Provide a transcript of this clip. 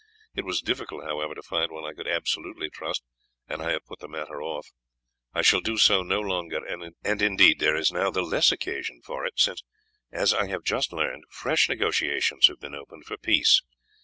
It was difficult, however, to find one I could absolutely trust, and I have put the matter off. I shall do so no longer; and indeed there is now the less occasion for it, since, as I have just learned, fresh negotiations have been opened for peace.